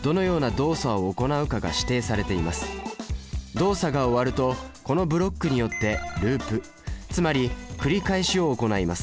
動作が終わるとこのブロックによってループつまり繰り返しを行います。